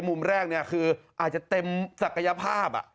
มุมแรกเนี่ยคืออาจจะเต็มศักยภาพ